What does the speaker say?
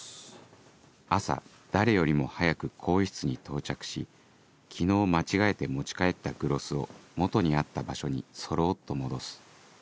朝誰よりも早く更衣室に到着し昨日間違えて持ち帰ったグロスを元にあった場所にそろっと戻す・あぁ